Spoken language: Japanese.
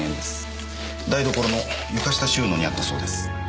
台所の床下収納にあったそうです。